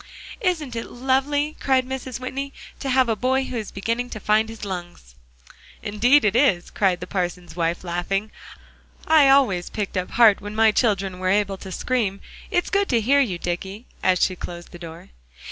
"Isn't it lovely," cried Mrs. Whitney, "to have a boy who is beginning to find his lungs?" "Indeed it is," cried the parson's wife, laughing; "I always picked up heart when my children were able to scream. It's good to hear you, Dicky," as she closed the door.